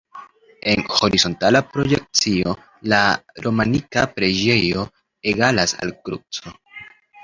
En horizontala projekcio la romanika preĝejo egalas al kruco.